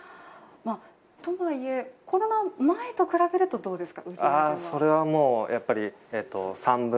とはいえ、コロナ前と比べるとどうですか？